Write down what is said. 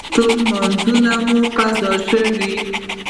ټول لمونځونه مې قضا شوه.